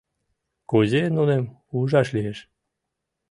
Кузе нуным ужаш лиеш?